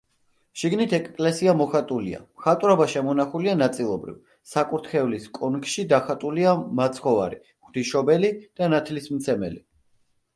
შიგნით ეკლესია მოხატულია, მხატვრობა შემონახულია ნაწილობრივ, საკურთხევლის კონქში დახატულია მაცხოვარი, ღვთისმშობელი და ნათლისმცემელი.